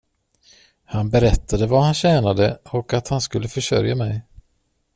Han berättade vad han tjänade och att han skulle försörja mig.